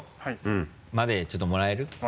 はい。までちょっともらえる？